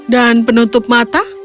dan penutup mata